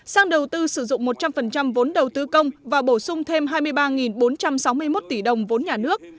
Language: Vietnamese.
sang đầu tư sử dụng một trăm linh vốn đầu tư công và bổ sung thêm hai mươi ba bốn trăm sáu mươi một tỷ đồng vốn nhà nước